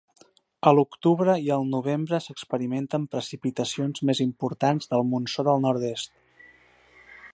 A l'octubre i el novembre s'experimenten precipitacions més importants del monsó del nord-est.